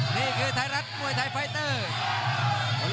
นี่คือไทยรัฐมวยไทยไฟเตอร์